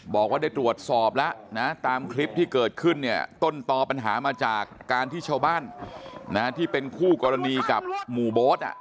บอกว่าได้ตรวจสอบแล้วนะตามคลิปที่เกิดขึ้นเนี่ยต้นตอปัญหามาจากการที่ชาวบ้านที่เป็นคู่กรณีกับหมู่โบ๊ท